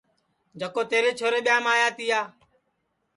جکو تیرے چھورے ٻیاںٚم آیا تیا